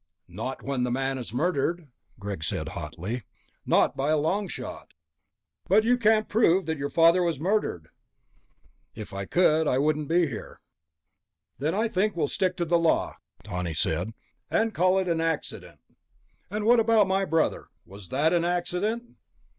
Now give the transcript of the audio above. "Not when the man is murdered," Greg said hotly, "not by a long shot." "But you can't prove that your father was murdered." "If I could, I wouldn't be here." "Then I think we'll stick to the law," Tawney said, "and call it an accident." "And what about my brother? Was that an accident?"